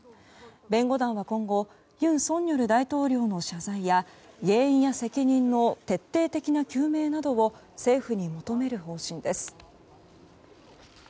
弁護団は今後尹錫悦大統領の謝罪や原因や責任の徹底的な究明などを政府に求める方針です。